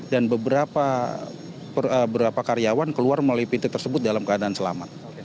dan beberapa karyawan keluar melalui pintu tersebut dalam keadaan selamat